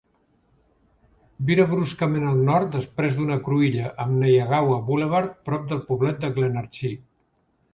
Vira bruscament al nord després d'una cruïlla amb Neyagawa Boulevard, prop del poblet de Glenarchy.